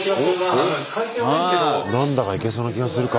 何だかいけそうな気がするか。